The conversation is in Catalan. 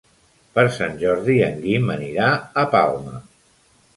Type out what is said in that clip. Per Sant Jordi en Guim anirà a Palma.